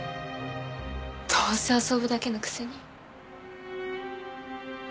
どうせ遊ぶだけのくせに。